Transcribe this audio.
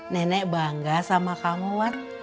nenek bangga sama kamu